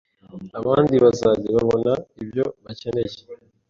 abandi bazage babona ibyo bakeneye